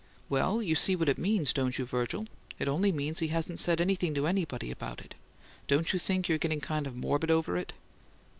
"Well, you see what it means, don't you, Virgil? It only means he hasn't said anything to anybody about it. Don't you think you're getting kind of morbid over it?"